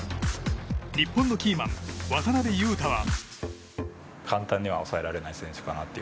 日本のキーマン、渡邊雄太は。